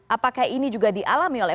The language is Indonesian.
apakah ini juga dialami oleh